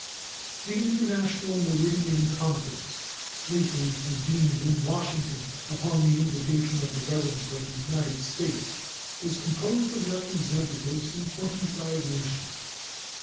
The International Meridian Conference lately convened in Washington upon the invitation of the Government of the United States was composed of representatives from twenty five nations.